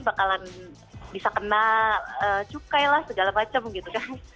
bakalan bisa kena cukai lah segala macam gitu kan